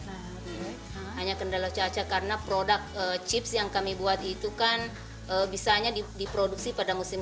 hanya kendala caca karena produk chips yang kami buat itu kan bisa hanya diproduksi pada musim